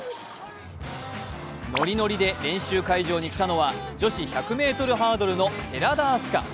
ノリノリで練習会場に来たのは女子１００ｍハードルの寺田明日香。